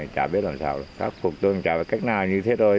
chả biết làm sao khắc phục tôi chả biết cách nào như thế thôi